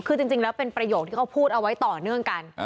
คือจริงแล้วเป็นประโยคที่เขาพูดเอาไว้ต่อเนื่องกัน